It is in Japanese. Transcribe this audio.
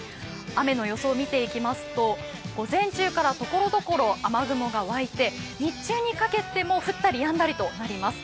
雨の予想を見ていきますと、午前中から所々雨雲が湧いて、日中にかけても降ったりやんだりとなります。